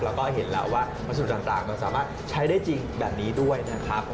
แล้วก็เห็นแล้วว่าวัสดุต่างมันสามารถใช้ได้จริงแบบนี้ด้วยนะครับ